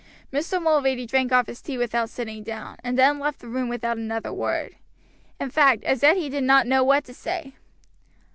Mr. Mulready drank off his tea without sitting down, and then left the room without another word; in fact, as yet he did not know what to say.